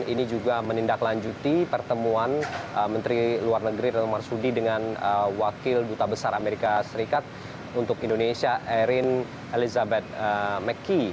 ini juga menindaklanjuti pertemuan menteri luar negeri rel marsudi dengan wakil duta besar amerika serikat untuk indonesia erin elizabeth meki